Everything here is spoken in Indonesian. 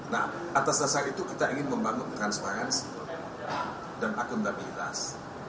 nah atas dasar itu kita ingin membangun transparansi dan akuntabilitas